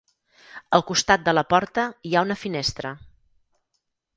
Al costat de la porta hi ha una finestra.